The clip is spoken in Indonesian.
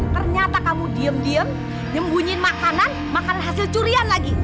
ternyata kamu diem diem nyembunyiin makanan makan hasil curian lagi